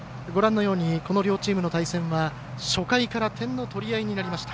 両チームの対戦は初回から点の取り合いになりました。